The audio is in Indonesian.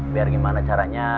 biar gimana caranya